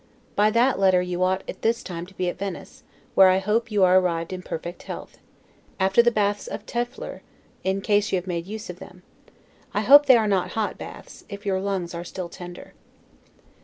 By that letter you ought at this time to be at Venice; where I hope you are arrived in perfect health, after the baths of Tiefler, in case you have made use of them. I hope they are not hot baths, if your lungs are still tender.